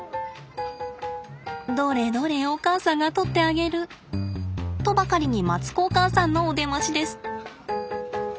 どれどれお母さんが取ってあげるとばかりにマツコお母さんのお出ましです。